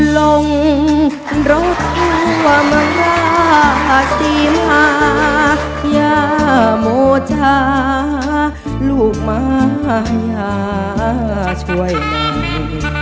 ลงรถลวมราศีมายโมจาลูกมายช่วยหน่อย